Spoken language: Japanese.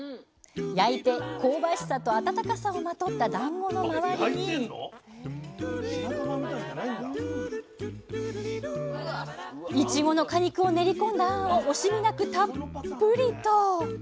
焼いて香ばしさと温かさをまとっただんごの周りにいちごの果肉を練り込んだあんを惜しみなくたっぷりと。